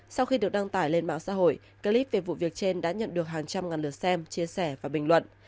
sau khi được đăng tải lên mạng xã hội clip về vụ việc trên đã nhận được hàng trăm ngàn lượt xem chia sẻ và bình luận